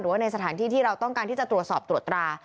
ว่าในสถานที่ที่เราต้องการที่จะตรวจสอบตรวจตรา